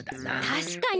たしかに！